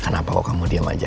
kenapa kok kamu diam aja